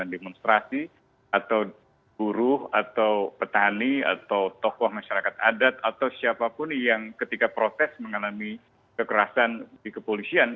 demonstrasi atau buruh atau petani atau tokoh masyarakat adat atau siapapun yang ketika protes mengalami kekerasan di kepolisian